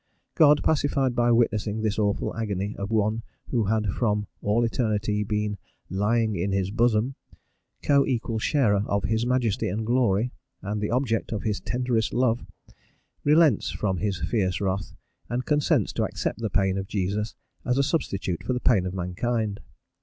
God, pacified by witnessing this awful agony of one who had from all eternity been "lying in his bosom" co equal sharer of his Majesty and glory, and the object of his tenderest love, relents from his fierce wrath, and consents to accept the pain of Jesus as a substitute for the pain of mankind.